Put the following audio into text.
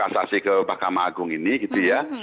terima kasih ke pak kamagung ini gitu ya